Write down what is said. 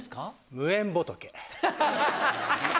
無縁仏。